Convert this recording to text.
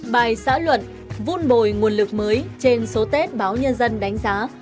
bài xã luận vun bồi nguồn lực mới trên số tết báo nhân dân đánh giá